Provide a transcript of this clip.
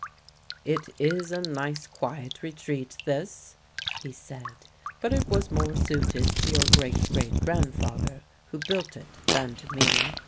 "It is a nice, quiet retreat this," he said, "but it was more suited to your great great grandfather who built it than to me.